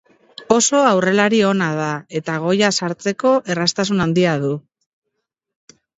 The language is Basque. Oso aurrelari ona da, eta gola sartzeko erraztasun handi du.